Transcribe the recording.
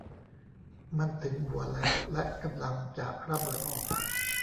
มันถึงหัวแล้วและกำลังจะระเบิดออก !